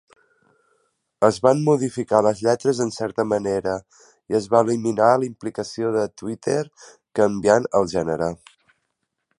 Es van modificar les lletres en certa manera i es va eliminar la implicació de Tweeter canviant el gènere.